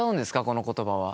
この言葉は。